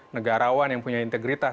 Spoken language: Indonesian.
negarawan yang punya integritas